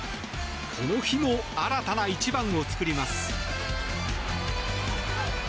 この日も新たな一番を作ります。